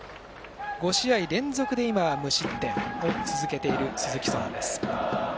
５試合連続で今、無失点を続けている鈴木翔天です。